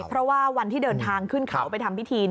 เพราะว่าวันที่เดินทางขึ้นเขาไปทำพิธี